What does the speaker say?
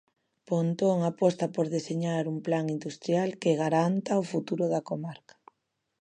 Pontón aposta por deseñar un plan industrial que garanta o futuro da comarca.